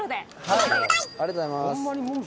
ありがとうございます。